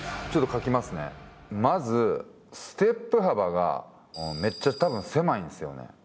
まずステップ幅がめっちゃ多分狭いんですよね。